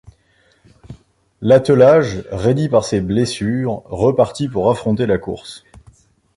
L’attelage raidi par ses blessures repartit pour affronter la course.